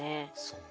そう。